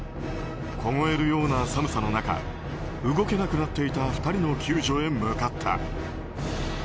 凍えるような寒さの中動けなくなっていた２人の救助へと向かった。